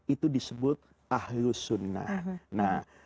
itu disebut ahlul sunnah